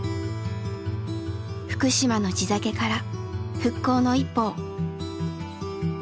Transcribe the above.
「福島の地酒から復興の一歩を！」。